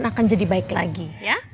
akan jadi baik lagi